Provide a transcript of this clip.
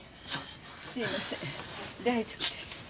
すいません大丈夫です。